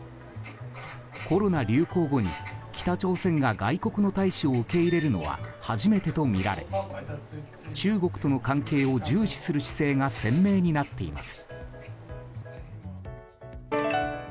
コロナ流行後に北朝鮮が外国の大使を受け入れるのは初めてとみられ中国との関係を重視する姿勢が鮮明になっています。